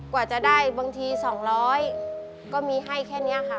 กว่าจะได้บางที๒๐๐ก็มีให้แค่นี้ค่ะ